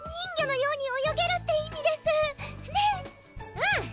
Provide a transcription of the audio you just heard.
うん！